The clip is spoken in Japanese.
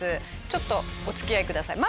ちょっとお付き合いください。